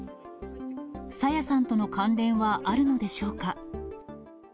朝芽さんとの関連はあるのでしょうか。